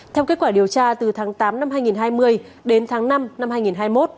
theo kết quả điều tra từ tháng tám năm hai nghìn hai mươi đến tháng năm năm hai nghìn hai mươi một